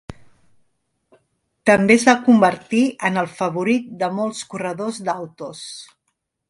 També es va convertir en el favorit de molts corredors d'autos.